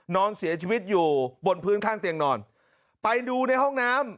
นอนเสียชีวิตอยู่บนพื้นข้างเตียงนอนไปดูในห้องน้ำ